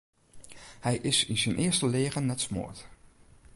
Hy is yn syn earste leagen net smoard.